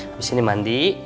abis ini mandi